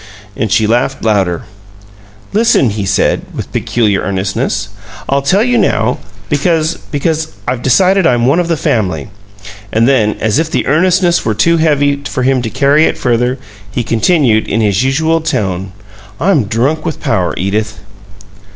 And she laughed louder. "Listen," he said, with peculiar earnestness. "I'll tell you now, because because I've decided I'm one of the family." And then, as if the earnestness were too heavy for him to carry it further, he continued, in his usual tone, "I'm drunk with power, Edith."